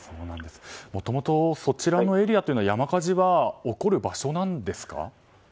もともと、そちらのエリアは山火事は起こる場所なんですか。